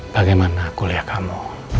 bagaimana kuliah kamu